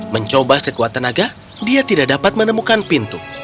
mencoba sekuat tenaga dia tidak dapat menemukan pintu